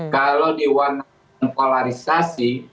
kalau diwarna polarisasi